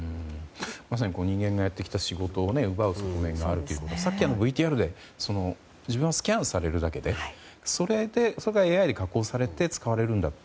まさに人間がやってきた仕事を奪う側面があるとＶＴＲで自分はスキャンされるだけでそれがＡＩに加工されて使われるんだと。